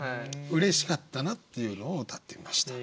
嬉しかったなっていうのをうたってみました。